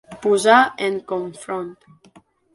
Posar en confront.